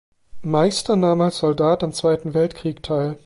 Meister nahm als Soldat am Zweiten Weltkrieg teil.